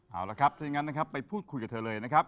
เอาละครับถ้าอย่างนั้นนะครับไปพูดคุยกับเธอเลยนะครับ